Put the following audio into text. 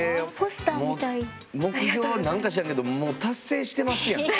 目標はなんか知らんけどもう達成してますやん。